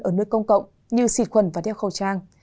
ở nơi công cộng như xịt khuẩn và đeo khẩu trang